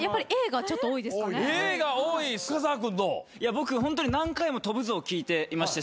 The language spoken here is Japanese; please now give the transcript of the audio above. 僕ホントに何回も「飛ぶぞ」を聞いてまして。